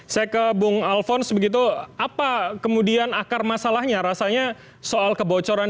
saya ke bung alphonse begitu apa kemudian akar masalahnya rasanya soal kebocoran